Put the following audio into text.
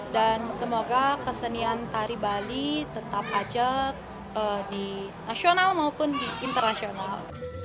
dan semoga kesenian tari bali tetap ajak di nasional maupun di internasional